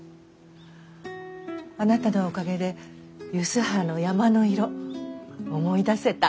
あなたのおかげで梼原の山の色思い出せた。